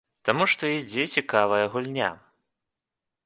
Таму што ідзе цікавая гульня.